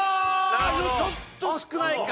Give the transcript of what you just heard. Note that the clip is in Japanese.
ちょっと少ないか。